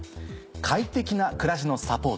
「快適な暮らしのサポート」。